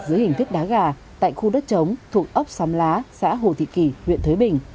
dưới hình thức đá gà tại khu đất chống thuộc ốc xóm lá xã hồ thị kỳ huyện thới bình